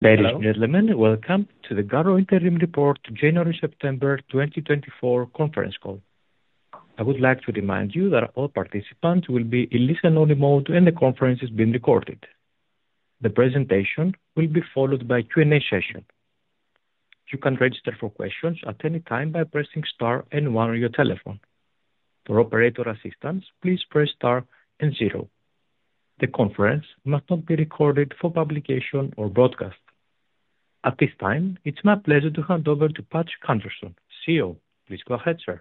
Ladies and gentlemen, welcome to the GARO Interim Report, January-September 2024 Conference Call. I would like to remind you that all participants will be in listen-only mode, and the conference is being recorded. The presentation will be followed by a Q&A session. You can register for questions at any time by pressing star and one on your telephone. For operator assistance, please press star and zero. The conference must not be recorded for publication or broadcast. At this time, it's my pleasure to hand over to Patrik Andersson, CEO. Please go ahead, sir.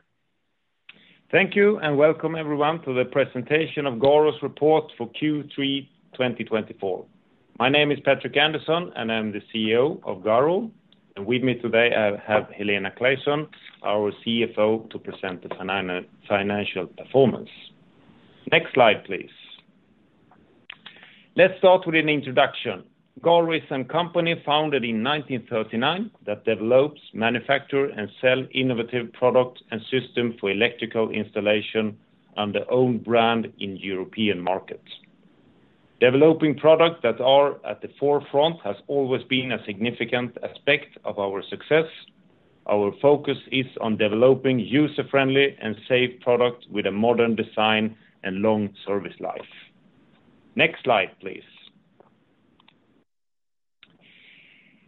Thank you, and welcome everyone to the presentation of GARO's report for Q3 2024. My name is Patrik Andersson, and I'm the CEO of GARO. With me today, I have Helena Claesson, our CFO, to present the financial performance. Next slide, please. Let's start with an introduction. GARO is a company founded in 1939 that develops, manufactures, and sells innovative products and systems for electrical installation under its own brand in the European market. Developing products that are at the forefront has always been a significant aspect of our success. Our focus is on developing user-friendly and safe products with a modern design and long service life. Next slide, please.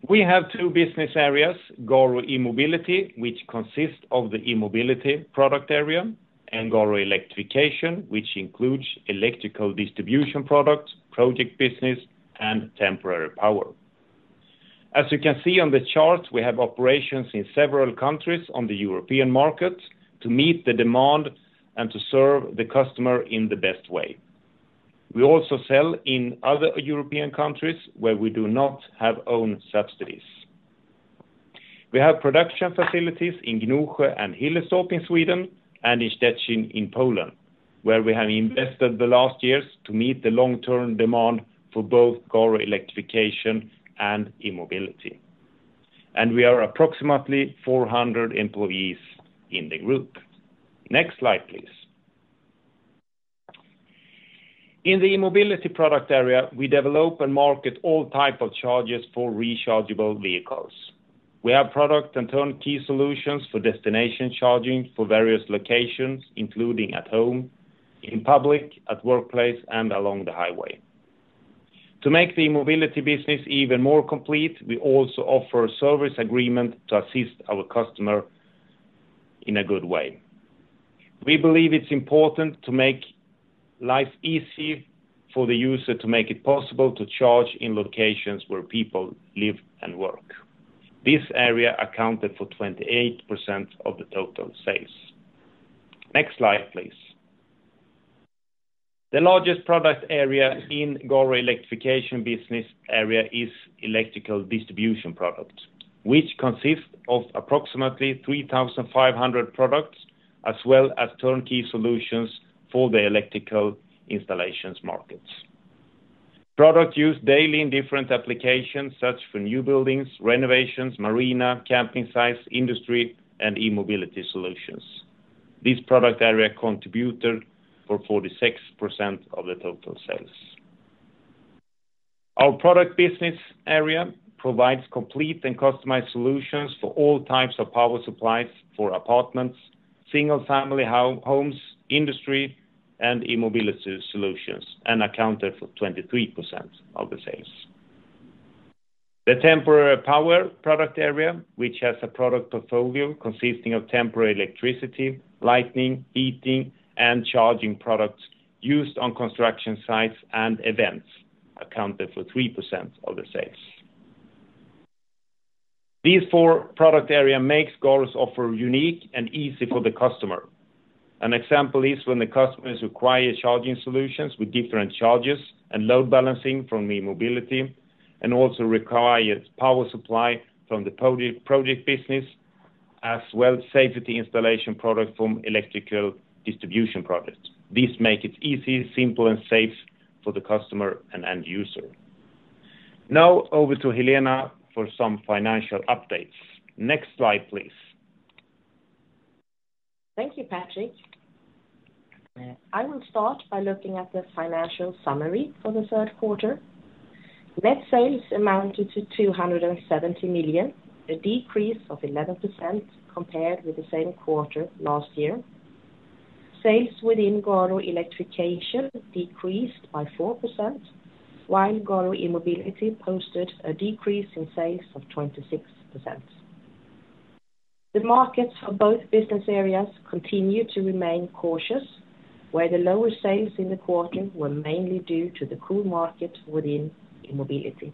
We have two business areas: GARO E-Mobility, which consists of the e-mobility product area, and GARO Electrification, which includes electrical distribution products, project business, and temporary power. As you can see on the chart, we have operations in several countries on the European market to meet the demand and to serve the customer in the best way. We also sell in other European countries where we do not have our own subsidiaries. We have production facilities in Gnosjö and Hillerstorp in Sweden and in Szczecin in Poland, where we have invested the last years to meet the long-term demand for both GARO Electrification and e-mobility, and we are approximately 400 employees in the group. Next slide, please. In the e-mobility product area, we develop and market all types of chargers for rechargeable vehicles. We have products and turnkey solutions for destination charging for various locations, including at home, in public, at workplaces, and along the highway. To make the e-mobility business even more complete, we also offer a service agreement to assist our customers in a good way. We believe it's important to make life easier for the user, to make it possible to charge in locations where people live and work. This area accounted for 28% of the total sales. Next slide, please. The largest product area in the GARO Electrification business area is electrical distribution products, which consist of approximately 3,500 products as well as turnkey solutions for the electrical installation markets. Products used daily in different applications such as for new buildings, renovations, marina, camping sites, industry, and e-mobility solutions. This product area contributed for 46% of the total sales. Our product business area provides complete and customized solutions for all types of power supplies for apartments, single-family homes, industry, and e-mobility solutions and accounted for 23% of the sales. The temporary power product area, which has a product portfolio consisting of temporary electricity, lighting, heating, and charging products used on construction sites and events, accounted for 3% of the sales. These four product areas make GARO's offer unique and easy for the customer. An example is when the customer requires charging solutions with different charges and load balancing from e-mobility, and also requires power supply from the project business, as well as safety installation products from electrical distribution products. This makes it easy, simple, and safe for the customer and end user. Now, over to Helena for some financial updates. Next slide, please. Thank you, Patrik. I will start by looking at the financial summary for the third quarter. Net sales amounted to 270 million, a decrease of 11% compared with the same quarter last year. Sales within GARO Electrification decreased by 4%, while GARO E-Mobility posted a decrease in sales of 26%. The markets for both business areas continue to remain cautious, where the lower sales in the quarter were mainly due to the cool market within e-mobility.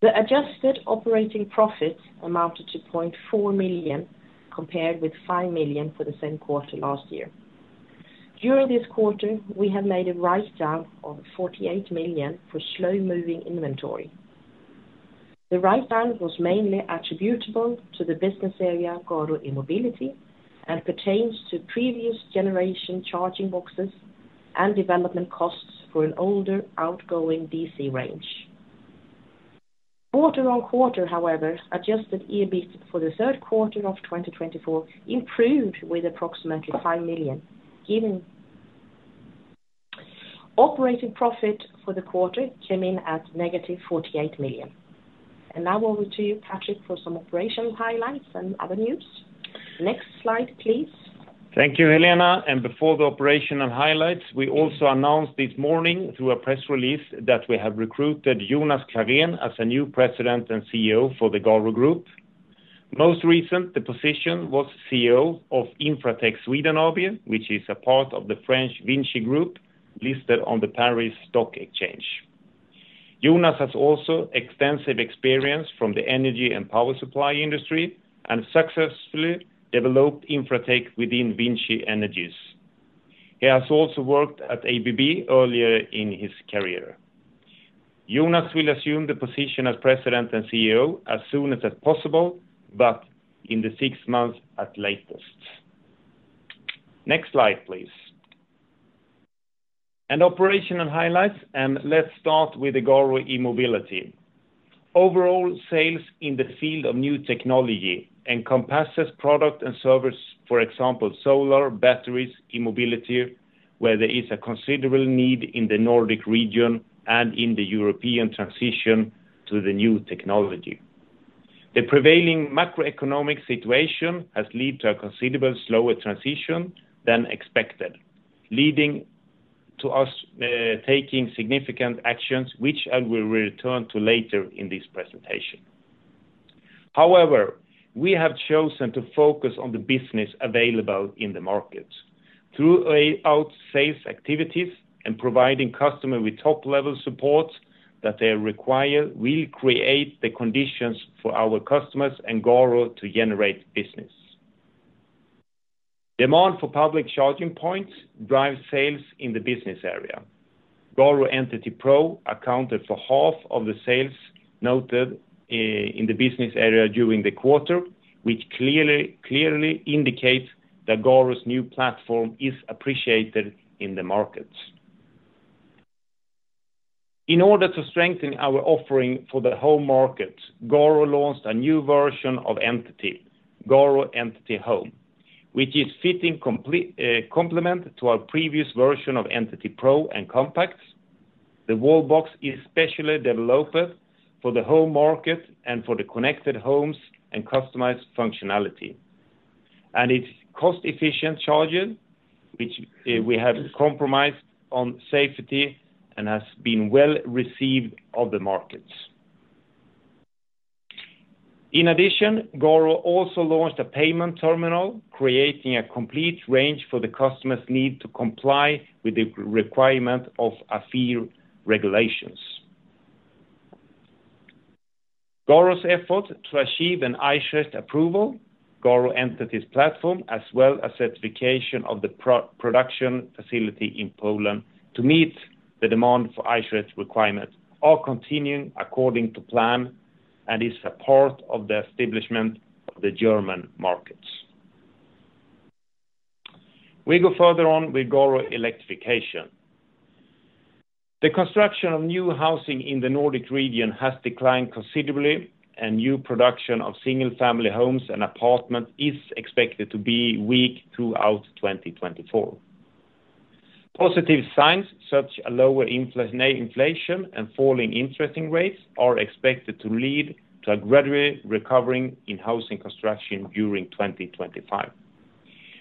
The adjusted operating profit amounted to 0.4 million compared with 5 million for the same quarter last year. During this quarter, we have made a write-down of 48 million for slow-moving inventory. The write-down was mainly attributable to the business area GARO E-Mobility and pertains to previous generation charging boxes and development costs for an older outgoing DC range. Quarter on quarter, however, adjusted EBIT for the third quarter of 2024 improved with approximately five million. Operating profit for the quarter came in at negative 48 million. Now, over to you, Patrik, for some operational highlights and other news. Next slide, please. Thank you, Helena. And before the operational highlights, we also announced this morning through a press release that we have recruited Jonas Klarén as the new President and CEO for the GARO Group. Most recent, the position was CEO of Infratek Sweden AB, which is a part of the French Vinci Group listed on the Paris Stock Exchange. Jonas has also extensive experience from the energy and power supply industry and successfully developed Infratek within VINCI Energies. He has also worked at ABB earlier in his career. Jonas will assume the position as President and CEO as soon as possible, but in the six months at latest. Next slide, please. And operational highlights, and let's start with the GARO E-Mobility. Overall, sales in the field of new technology encompasses products and services, for example, solar, batteries, e-mobility, where there is a considerable need in the Nordic region and in the European transition to the new technology. The prevailing macroeconomic situation has led to a considerably slower transition than expected, leading to us taking significant actions, which I will return to later in this presentation. However, we have chosen to focus on the business available in the market. Through our sales activities and providing customers with the top-level support that they require, we'll create the conditions for our customers and GARO to generate business. Demand for public charging points drives sales in the business area. GARO Entity Pro accounted for half of the sales noted in the business area during the quarter, which clearly indicates that GARO's new platform is appreciated in the markets. In order to strengthen our offering for the home market, GARO launched a new version of Entity, GARO Entity Home, which is a fitting complement to our previous version of Entity Pro and Compact. The wallbox is specially developed for the home market and for the connected homes and customized functionality. It's cost-efficient charging, which we have compromised on safety and has been well received in the markets. In addition, GARO also launched a payment terminal, creating a complete range for the customers' needs to comply with the requirements of AFIR regulations. GARO's efforts to achieve an Eichrecht approval, GARO Entity's platform, as well as certification of the production facility in Poland to meet the demand for Eichrecht requirements, are continuing according to plan and is a part of the establishment of the German markets. We go further on with GARO Electrification. The construction of new housing in the Nordic region has declined considerably, and new production of single-family homes and apartments is expected to be weak throughout 2024. Positive signs such as lower inflation and falling interest rates are expected to lead to a gradually recovering housing construction during 2025,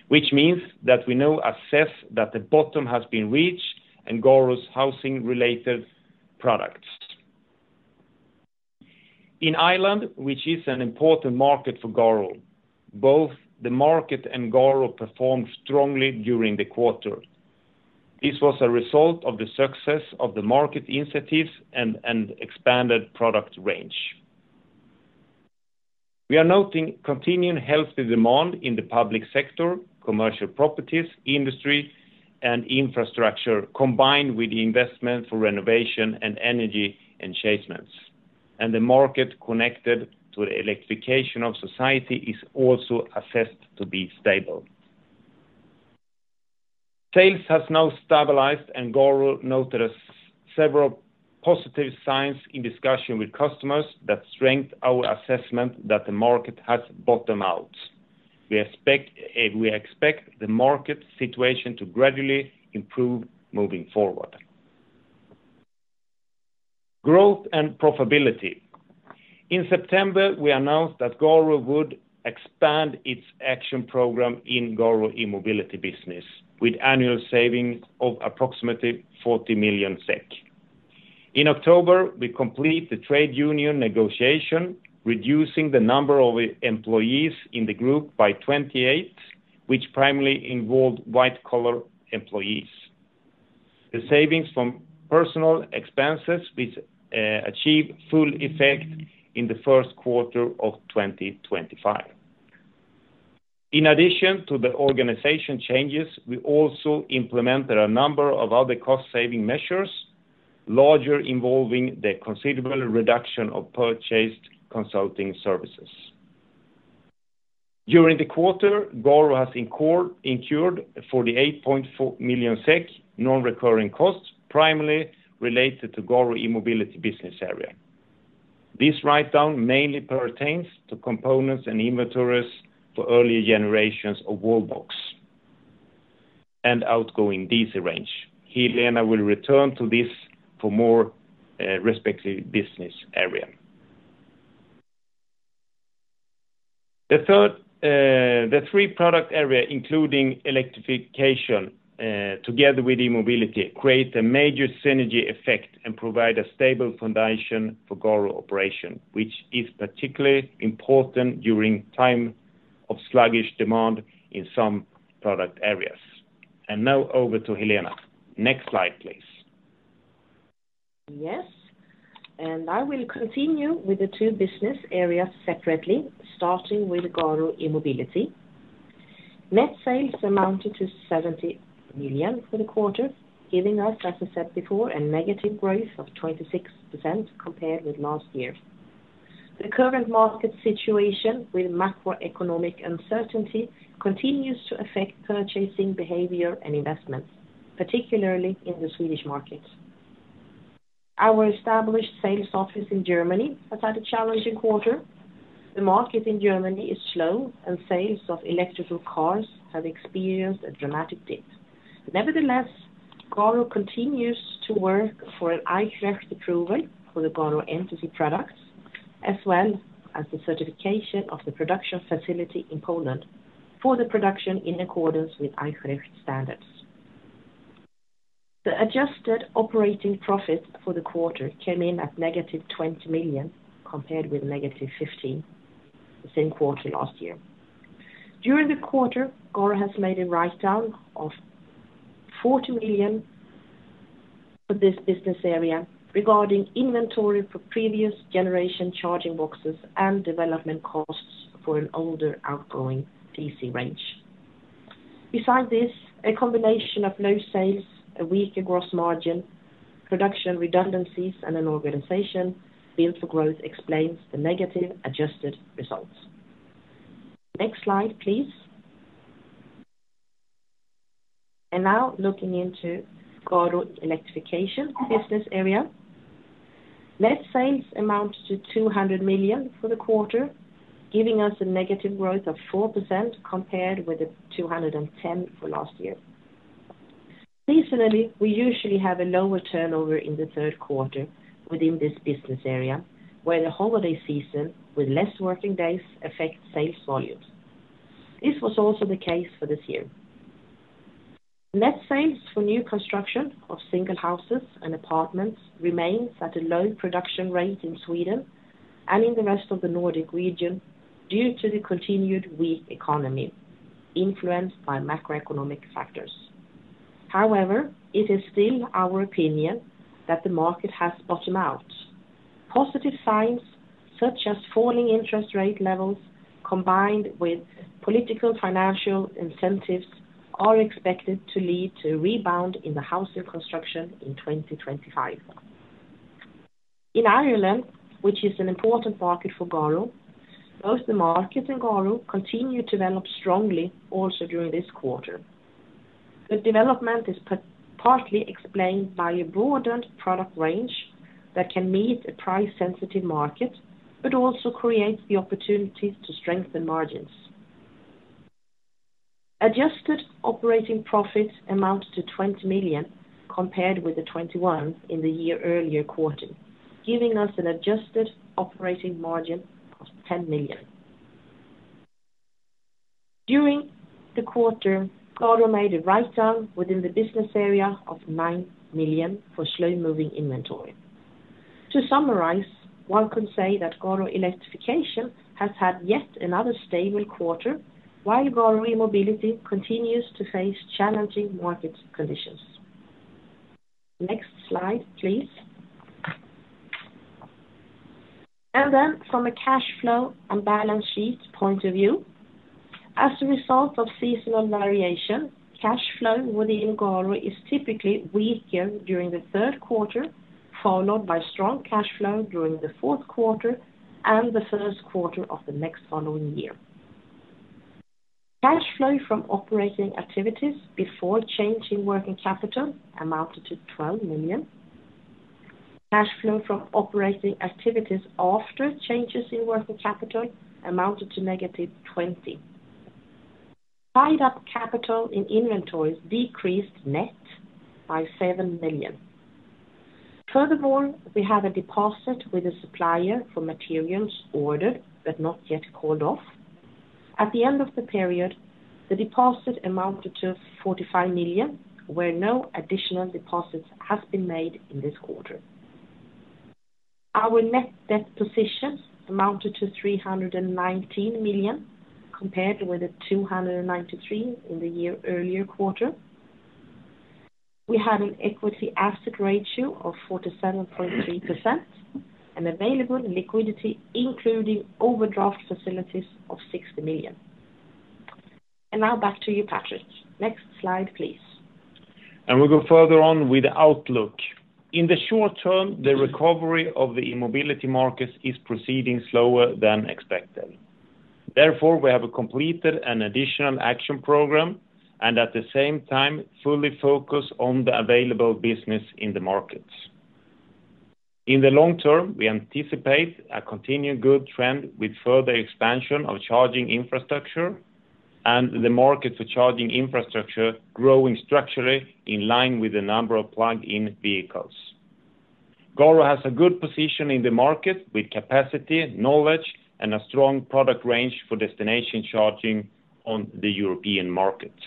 which means that we now assess that the bottom has been reached and that GARO's housing-related products. In Ireland, which is an important market for GARO, both the market and GARO performed strongly during the quarter. This was a result of the success of the market initiatives and expanded product range. We are noting continuing healthy demand in the public sector, commercial properties, industry, and infrastructure, combined with the investment for renovation and energy enhancements, and the market connected to the electrification of society is also assessed to be stable. Sales has now stabilized, and GARO noted several positive signs in discussions with customers that strengthen our assessment that the market has bottomed out. We expect the market situation to gradually improve moving forward. Growth and profitability. In September, we announced that GARO would expand its action program in the GARO E-Mobility business with annual savings of approximately 40 million SEK. In October, we completed the trade union negotiation, reducing the number of employees in the group by 28, which primarily involved white-collar employees. The savings from personnel expenses achieved full effect in the first quarter of 2025. In addition to the organizational changes, we also implemented a number of other cost-saving measures, largely involving the considerable reduction of purchased consulting services. During the quarter, GARO has incurred 48.4 million SEK non-recurring costs primarily related to GARO E-Mobility business area. This write-down mainly pertains to components and inventories for earlier generations of wallbox and outgoing DC range. Helena will return to this for more aspects of the business area. The three product areas, including electrification together with e-mobility, create a major synergy effect and provide a stable foundation for GARO operation, which is particularly important during times of sluggish demand in some product areas. And now, over to Helena. Next slide, please. Yes, and I will continue with the two business areas separately, starting with GARO E-Mobility. Net sales amounted to 70 million for the quarter, giving us, as I said before, a negative growth of 26% compared with last year. The current market situation with macroeconomic uncertainty continues to affect purchasing behavior and investments, particularly in the Swedish market. Our established sales office in Germany has had a challenging quarter. The market in Germany is slow, and sales of electric cars have experienced a dramatic dip. Nevertheless, GARO continues to work for an Eichrecht approval for the GARO Entity products, as well as the certification of the production facility in Poland for the production in accordance with Eichrecht standards. The adjusted operating profit for the quarter came in at negative 20 million compared with negative 15% the same quarter last year. During the quarter, GARO has made a write-down of 40 million for this business area regarding inventory for previous generation charging boxes and development costs for an older outgoing DC range. Besides this, a combination of low sales, a weaker gross margin, production redundancies, and an organization built for growth explains the negative adjusted results. Next slide, please. And now, looking into the GARO Electrification business area, net sales amounted to 200 million for the quarter, giving us a negative growth of 4% compared with 210 million for last year. Additionally, we usually have a lower turnover in the third quarter within this business area, where the holiday season with less working days affects sales volumes. This was also the case for this year. Net sales for new construction of single houses and apartments remain at a low production rate in Sweden and in the rest of the Nordic region due to the continued weak economy influenced by macroeconomic factors. However, it is still our opinion that the market has bottomed out. Positive signs, such as falling interest rate levels combined with political financial incentives, are expected to lead to a rebound in housing construction in 2025. In Ireland, which is an important market for GARO, both the market and GARO continue to develop strongly also during this quarter. The development is partly explained by a broadened product range that can meet a price-sensitive market, but also creates the opportunity to strengthen margins. Adjusted operating profit amounts to 20 million compared with 21 million in the year-earlier quarter, giving us an adjusted operating margin of 10 million. During the quarter, GARO made a write-down within the business area of 9 million for slow-moving inventory. To summarize, one could say that GARO Electrification has had yet another stable quarter, while GARO E-Mobility continues to face challenging market conditions. Next slide, please. Then, from a cash flow and balance sheet point of view, as a result of seasonal variation, cash flow within GARO is typically weaker during the third quarter, followed by strong cash flow during the fourth quarter and the first quarter of the next following year. Cash flow from operating activities before changing working capital amounted to 12 million. Cash flow from operating activities after changes in working capital amounted to negative 20 million. Tied-up capital in inventories decreased net by 7 million. Furthermore, we have a deposit with a supplier for materials ordered but not yet called off. At the end of the period, the deposit amounted to 45 million, where no additional deposits have been made in this quarter. Our net debt position amounted to 319 million compared with 293 million in the year-earlier quarter. We had an equity-asset ratio of 47.3% and available liquidity, including overdraft facilities, of 60 million. And now, back to you, Patrik. Next slide, please. We go further on with the outlook. In the short term, the recovery of the e-mobility markets is proceeding slower than expected. Therefore, we have completed an additional action program and, at the same time, are fully focused on the available business in the markets. In the long term, we anticipate a continued good trend with further expansion of charging infrastructure and the market for charging infrastructure growing structurally in line with the number of plug-in vehicles. GARO has a good position in the market with capacity, knowledge, and a strong product range for destination charging in the European markets.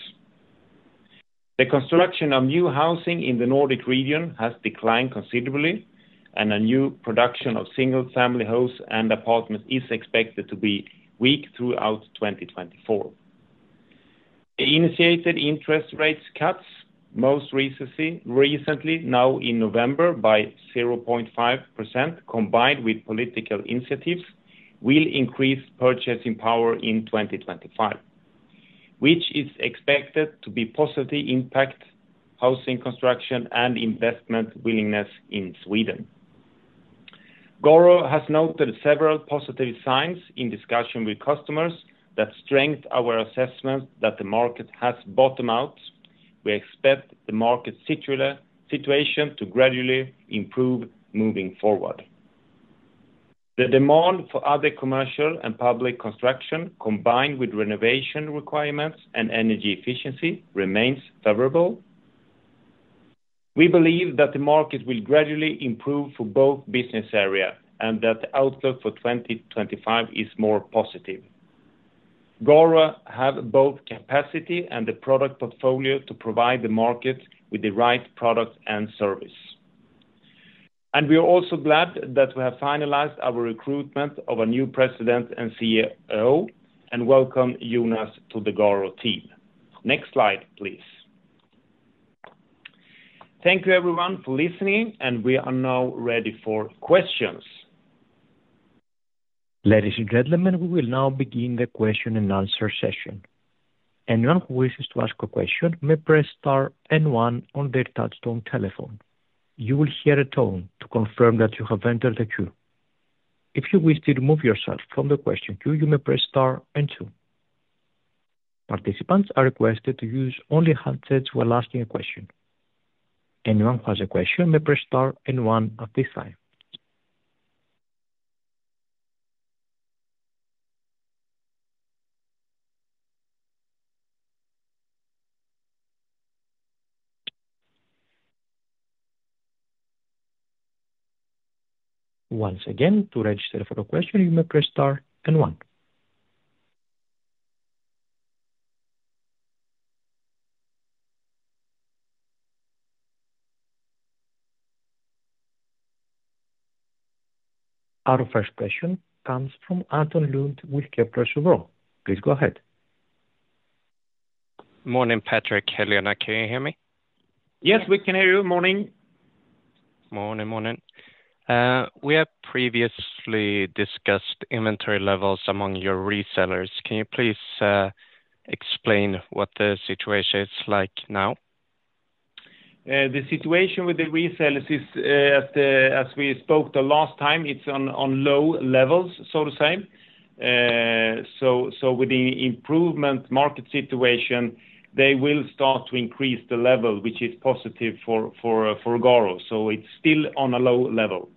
The construction of new housing in the Nordic region has declined considerably, and a new production of single-family homes and apartments is expected to be weak throughout 2024. The initiated interest rate cuts most recently, now in November, by 0.5%, combined with political initiatives, will increase purchasing power in 2025, which is expected to positively impact housing construction and investment willingness in Sweden. GARO has noted several positive signs in discussions with customers that strengthen our assessment that the market has bottomed out. We expect the market situation to gradually improve moving forward. The demand for other commercial and public construction, combined with renovation requirements and energy efficiency, remains favorable. We believe that the market will gradually improve for both business areas and that the outlook for 2025 is more positive. GARO has both the capacity and the product portfolio to provide the market with the right product and service. And we are also glad that we have finalized our recruitment of a new President and CEO and welcome Jonas to the GARO team. Next slide, please. Thank you, everyone, for listening, and we are now ready for questions. Ladies and gentlemen, we will now begin the question and answer session. Anyone who wishes to ask a question may press star and one on their touch-tone telephone. You will hear a tone to confirm that you have entered the queue. If you wish to remove yourself from the question queue, you may press star and two. Participants are requested to use only handsets while asking a question. Anyone who has a question may press star and one at this time. Once again, to register for a question, you may press star and one. Our first question comes from Anton Lund with Kepler Cheuvreux. Please go ahead. Morning, Patrik. Helena, can you hear me? Yes, we can hear you. Morning. Morning, morning. We have previously discussed inventory levels among your resellers. Can you please explain what the situation is like now? The situation with the resellers, as we spoke the last time, is on low levels, so to say. So with the improved market situation, they will start to increase the level, which is positive for GARO. So it's still on a low level.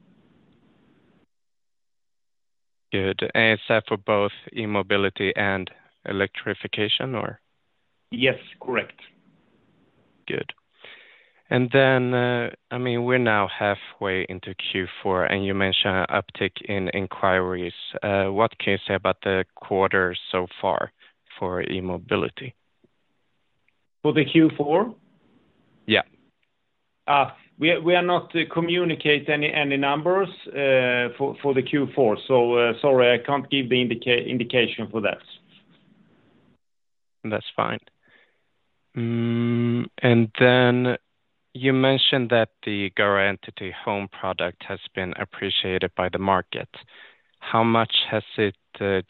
Good. Is that for both e-mobility and electrification, or? Yes, correct. Good. And then, I mean, we're now halfway into Q4, and you mentioned an uptick in inquiries. What can you say about the quarter so far for e-mobility? For the Q4? Yeah. We are not communicating any numbers for the Q4, so sorry,F I can't give the indication for that. That's fine. And then you mentioned that the GARO Entity Home product has been appreciated by the market. How much has it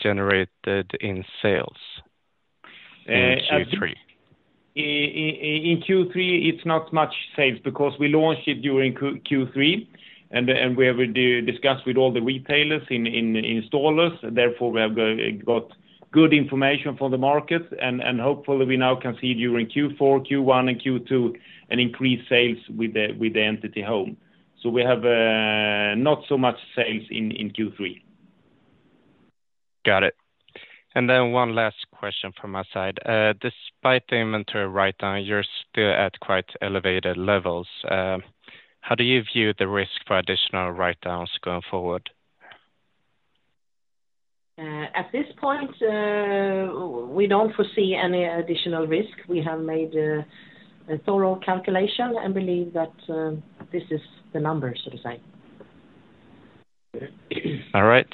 generated in sales in Q3? In Q3, it's not much sales because we launched it during Q3, and we have discussed with all the retailers and installers. Therefore, we have got good information from the market, and hopefully, we now can see during Q4, Q1, and Q2 an increased sales with the Entity Home, so we have not so much sales in Q3. Got it. And then one last question from my side. Despite the inventory write-down, you're still at quite elevated levels. How do you view the risk for additional write-downs going forward? At this point, we don't foresee any additional risk. We have made a thorough calculation and believe that this is the number, so to say. All right.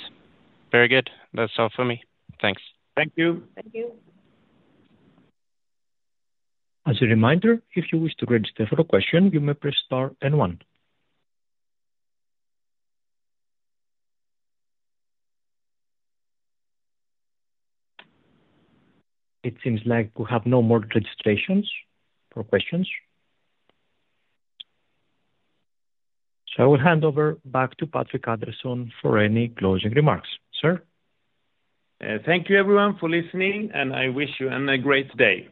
Very good. That's all for me. Thanks. Thank you. Thank you. As a reminder, if you wish to register for a question, you may press star and one. It seems like we have no more registrations for questions. So I will hand over back to Patrik Andersson for any closing remarks. Sir. Thank you, everyone, for listening, and I wish you a great day.